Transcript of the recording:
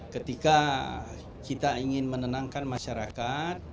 ketika kita ingin menenangkan masyarakat